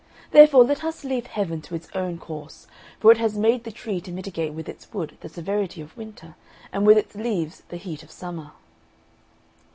Therefore let us leave Heaven to its own course; for it has made the tree to mitigate with its wood the severity of winter, and with its leaves the heat of summer."